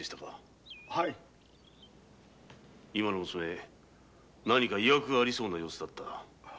今の娘何かいわくありそうな様子だった。